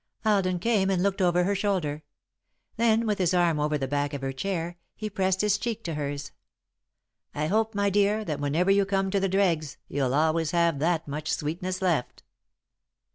Alden came and looked over her shoulder. Then, with his arm over the back of her chair, he pressed his cheek to hers. "I hope, my dear, that whenever you come to the dregs, you'll always have that much sweetness left."